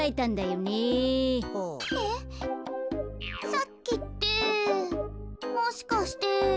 さっきってもしかして。